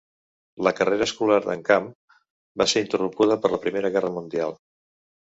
La carrera escolar d'en Cann va ser interrompuda per la Primera Guerra Mundial.